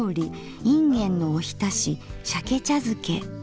いんげんのおひたし鮭茶づけ。